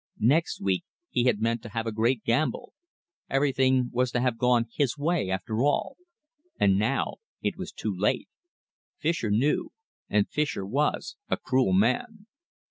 Next week he had meant to have a great gamble. Everything was to have gone his way, after all. And now it was too late. Fischer knew, and Fischer was a cruel man!...